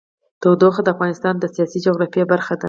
تودوخه د افغانستان د سیاسي جغرافیه برخه ده.